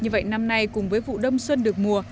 như vậy năm nay cùng với vụ đông xuân được mùa